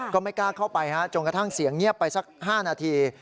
ก็ไม่กล้าเข้าไปจนกระทั่งเสียงเงียบไปสัก๕นาที